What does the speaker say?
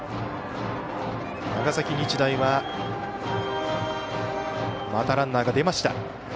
長崎日大はまたランナーが出ました。